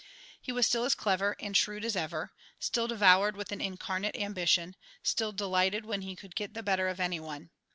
He was still as clever and shrewd as ever, still devoured with an incarnate ambition, still delighted when he could get the better of any one.